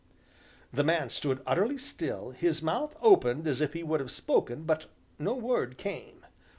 The man stood utterly still, his mouth opened as if he would have spoken, but no word came.